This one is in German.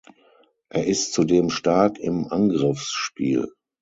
Er ist zudem stark im Angriffsspiel.